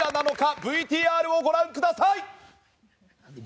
ＶＴＲをご覧ください！